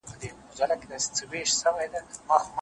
زیندۍ به نه وي، دار به نه وي، جلادان به نه وي